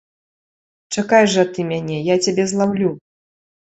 Чакай жа ты мяне, я цябе злаўлю!